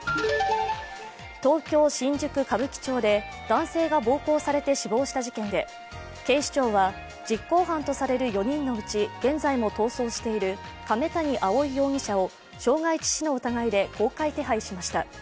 東京・新宿歌舞伎町で男性が暴行されて死亡した事件で警視庁は実行犯とされる４人のうち現在も逃走している亀谷蒼容疑者を傷害致死の疑いで公開手配しました。